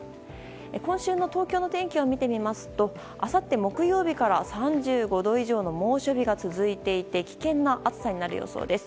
今週の東京の天気を見てみますとあさって木曜日から３５度以上の猛暑日が続いていて危険な暑さになる予想です。